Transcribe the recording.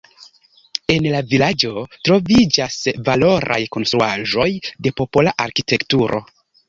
En la vilaĝo troviĝas valoraj konstruaĵoj de popola arkitekturo.